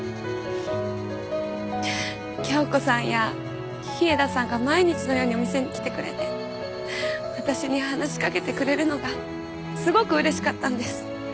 京子さんや飛江田さんが毎日のようにお店に来てくれて私に話しかけてくれるのがすごく嬉しかったんです。